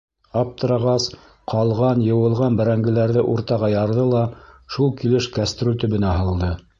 Аптырағас, ҡалған йыуылған бәрәңгеләрҙе уртаға ярҙы ла шул килеш кәстрүл төбөнә һалды.